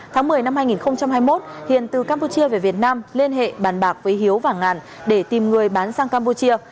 tháng một mươi năm hai nghìn hai mươi một hiền từ campuchia về việt nam liên hệ bàn bạc với hiếu và ngàn để tìm người bán sang campuchia